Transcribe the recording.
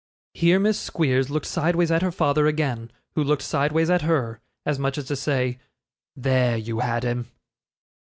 Here Miss Squeers looked sideways at her father again, who looked sideways at her, as much as to say, 'There you had him.